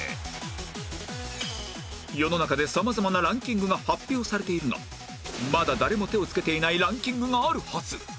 世の中で様々なランキングが発表されているがまだ誰も手をつけていないランキングがあるはず